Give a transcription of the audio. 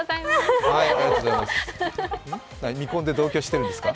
未婚で同居してるんですか？